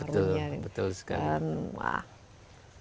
betul betul sekali